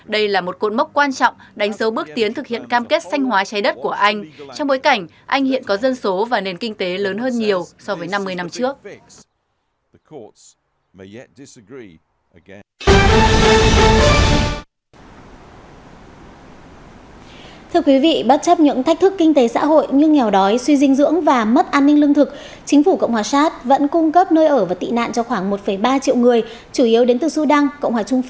đây là một cột mốc quan trọng đánh dấu bước tiến thực hiện cam kết sanh hóa trái đất của anh trong bối cảnh anh hiện có dân số và nền kinh tế lớn hơn nhiều so với năm mươi năm trước